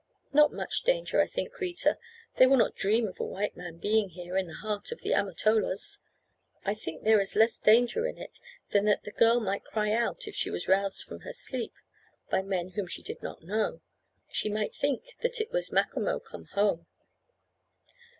"Not much danger, I think, Kreta. They will not dream of a white man being here, in the heart of the Amatolas. I think there is less danger in it than that the girl might cry out if she was roused from her sleep by men whom she did not know. She might think that it was Macomo come home."